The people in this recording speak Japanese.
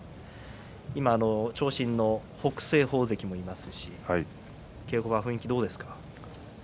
長身の北青鵬もいますし稽古場、雰囲気どうですか。